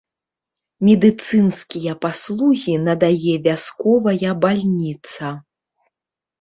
Медыцынскія паслугі надае вясковая бальніца.